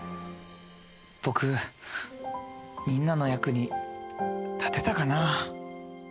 僕みんなの役に立てたかな？